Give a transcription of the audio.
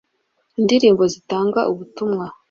indirimbo zitanga ubutumwa.